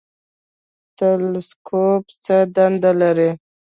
تلسکوپ څه دنده لري؟